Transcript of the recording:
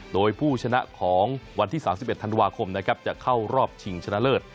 โดยผู้ชนะของวันที่๓๑ธันวาคมนะครับจะเข้ารอบชิงชนะเลิศ